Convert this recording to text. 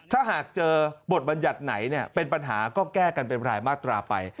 ถ้าหากเจอบทบัญญัติไหนเป็นปัญหาก็แก้กันเป็นรายมาตราไป